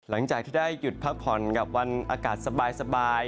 หลังจากที่ได้หยุดพักผ่อนกับวันอากาศสบาย